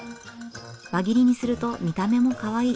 輪切りにすると見た目もかわいい。